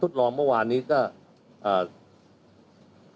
คุณสะสรวจไหมครับว่าคุณโม่เนี่ยอนปัสสาวะกี่ชั่ว